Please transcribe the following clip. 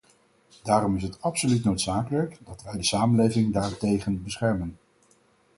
Daarom is het absoluut noodzakelijk dat wij de samenleving daartegen beschermen.